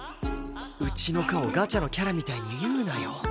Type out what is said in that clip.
うちの課をガチャのキャラみたいに言うなよ。